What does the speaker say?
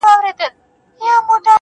چي د زړکي هره تياره مو روښنايي پيدا کړي,